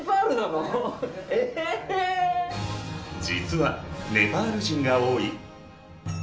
実はネパール人が多い。